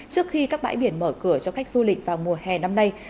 trước khi các bãi biển mở cửa cho khách du lịch vào mùa hè năm nay